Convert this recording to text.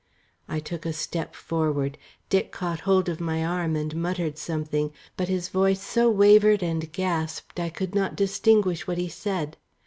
I took a step forward. Dick caught hold of my arm and muttered something, but his voice so wavered and gasped I could not distinguish what he said.